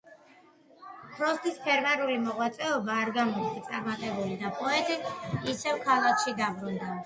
ფროსტის ფერმერული მოღვაწეობა არ გამოდგა წარმატებული და პოეტი ისევ ქალაქში დაბრუნდა.